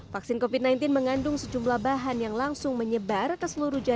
vaksin covid sembilan belas mengandung sejumlah bahan yang langsung menyebar ke seluruh jawa